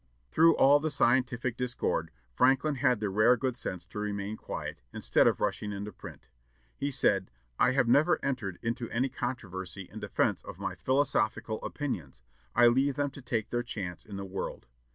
Through all the scientific discord, Franklin had the rare good sense to remain quiet, instead of rushing into print. He said, "I have never entered into any controversy in defence of my philosophical opinions; I leave them to take their chance in the world.